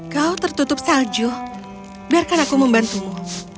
kau tertutup salju biarkan aku membantumu